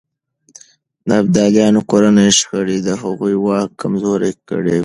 د ابدالیانو کورنۍ شخړې د هغوی واک کمزوری کړی و.